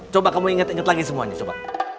coba kamu inget inget lagi semuanya coba